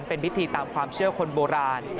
เป็นพิธีตามความเชื่อคนโบราณ